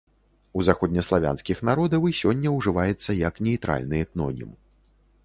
У заходнеславянскіх народаў і сёння ўжываецца як нейтральны этнонім.